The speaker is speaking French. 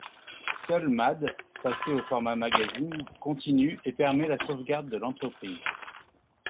Seul Mad, passé au format magazine, continue et permet la sauvegarde de l'entreprise.